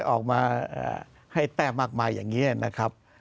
ออกมาให้แต้มมากมายอย่างนี้นะครับ